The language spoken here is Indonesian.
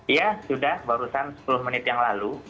iya sudah barusan sepuluh menit yang lalu